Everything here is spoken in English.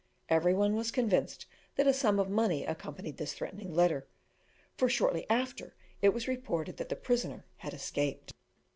Every one was convinced that a sum of money accompanied this threatening letter, for shortly after it was reported that the prisoner had escaped.